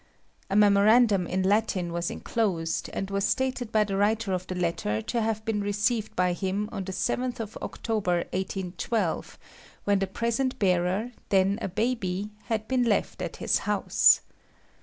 A memorandum in Latin was enclosed, and was stated by the writer of the letter to have been received by him on the 7th of October, 1812, when the present bearer, then a baby, had been left at his house.